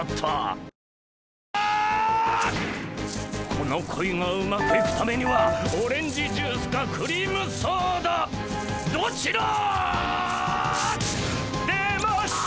この恋がうまくいくためにはオレンジジュースかクリームソーダどちら。出ました！